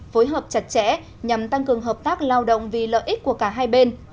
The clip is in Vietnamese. phối hợp chặt chẽ nhằm tăng cường hợp tác lao động vì lợi ích của cả hai bên